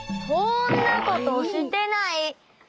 そんなことしてない！